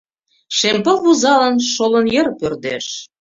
Шем пыл, вузалын, шолын, йыр пӧрдеш.